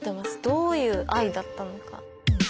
どういう愛だったのか。